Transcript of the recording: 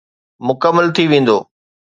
مڪمل ٿي ويندو.